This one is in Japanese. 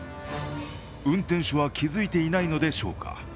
運転手は気づいていないのでしょうか。